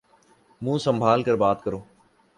منہ سنمبھال کر بات کرو۔